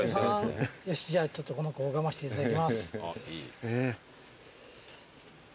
よしじゃちょっとこの子を拝ましていただきます。